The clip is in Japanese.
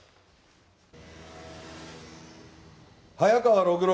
早川六郎